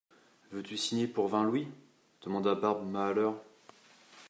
Veux-tu signer pour vingt louis ? demanda Barbe Mahaleur.